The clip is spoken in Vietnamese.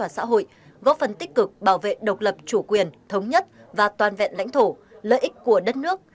xã hội góp phần tích cực bảo vệ độc lập chủ quyền thống nhất và toàn vẹn lãnh thổ lợi ích của đất nước